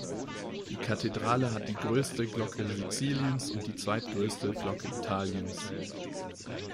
Die Kathedrale hat die größte Glocke Siziliens und die zweitgrößte Glocke Italiens.